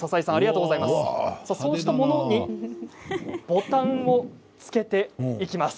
そうしたものにボタンをつけていきます。